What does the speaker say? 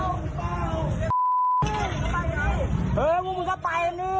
ไอ้โอ้มมึงจะเอากูเปล่า